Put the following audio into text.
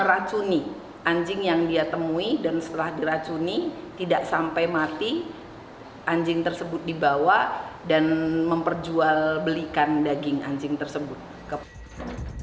anjing tersebut dibawa dan memperjual belikan daging anjing tersebut